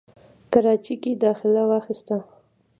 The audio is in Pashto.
کراچۍ کښې داخله واخسته،